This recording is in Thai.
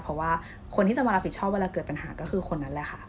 เพราะว่าคนที่จะมารับผิดชอบเวลาเกิดปัญหาก็คือคนนั้นแหละค่ะ